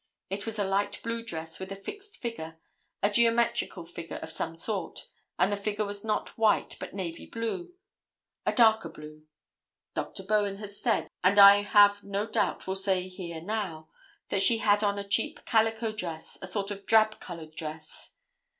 It was a light blue dress, with a fixed figure, a geometrical figure of some sort, and the figure was not white, but navy blue—a darker blue. Dr. Bowen has said, and I have no doubt will say here now, that she had on a cheap calico dress, a sort of drab colored dress.